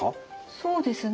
そうですね